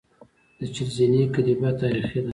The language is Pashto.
د چهل زینې کتیبه تاریخي ده